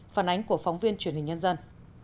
phản ánh của phóng viên truyền hình nhân dân